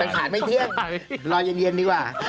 ขาดไม่เที่ยงรอเย็นดีกว่า